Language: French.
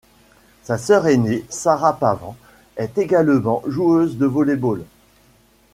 Sa sœur ainée Sarah Pavan est également joueuse de volley-ball.